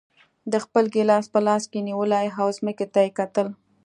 ده خپل ګیلاس په لاس کې نیولی و او ځمکې ته یې کتل.